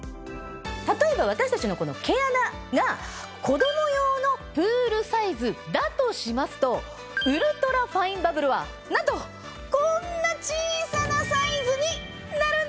例えば私たちの毛穴が子ども用のプールサイズだとしますとウルトラファインバブルはなんとこんな小さなサイズになるんです！